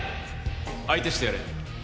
相手してやれ。